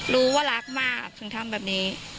รู้ว่ารักมากถึงทำแบบนี้